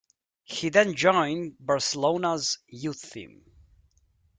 He then joined Barcelona's youth team.